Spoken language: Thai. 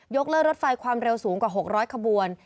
เลิกรถไฟความเร็วสูงกว่า๖๐๐ขบวน